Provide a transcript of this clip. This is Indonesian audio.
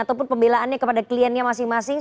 ataupun pembelaannya kepada kliennya masing masing